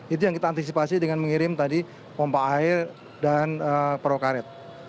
itu yang kita antisipasi dengan mengirim tadi pompa air dan perahu karet